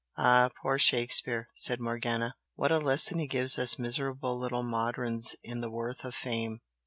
"Ah, poor Shakespeare!" said Morgana "What a lesson he gives us miserable little moderns in the worth of fame!